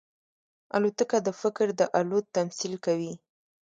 الوتکه د فکر د الوت تمثیل کوي.